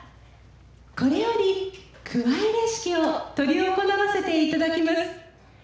これより、くわいれ式を執り行わせていただきます。